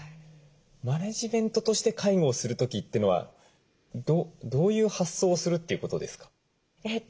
マネジメントとして介護をする時ってのはどういう発想をするっていうことですか？